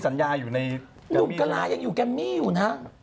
หนุ่มกะลายังอยู่กัมมี่อยู่นะ